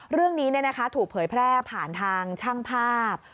เรื่องนี้ถูกเผยแพร่ผ่านทางช่างภาพ